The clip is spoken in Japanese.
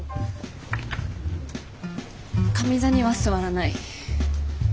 上座には座らない。